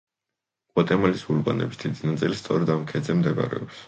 გვატემალის ვულკანების დიდი ნაწილი სწორედ ამ ქედზე მდებარეობს.